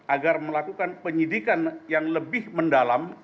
agar melakukan penyidikan yang lebih mendalam